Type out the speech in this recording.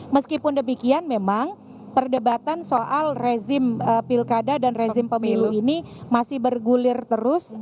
meskipun demikian memang perdebatan soal rezim pilkada dan rezim pemilu ini masih bergulir terus